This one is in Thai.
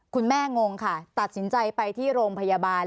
งงค่ะตัดสินใจไปที่โรงพยาบาล